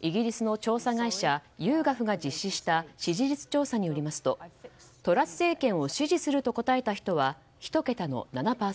イギリスの調査会社ＹｏｕＧｏｖが実施した支持率調査によりますとトラス政権を支持すると答えた人は、１桁の７％。